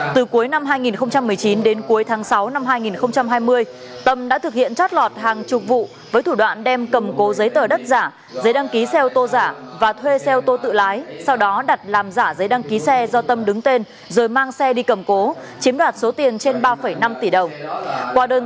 từ cuối năm hai nghìn một mươi chín đến cuối tháng sáu năm hai nghìn hai mươi tâm đã thực hiện trót lọt hàng chục vụ với thủ đoạn đem cầm cố giấy tờ đất giả giấy đăng ký xe ô tô giả và thuê xe ô tô tự lái sau đó đặt làm giả giấy đăng ký xe do tâm đứng tên rồi mang xe đi cầm cố chiếm đoạt số tiền trên ba năm tỷ đồng